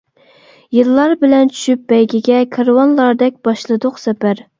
يىللار بىلەن چۈشۈپ بەيگىگە، كارۋانلاردەك باشلىدۇق سەپەر.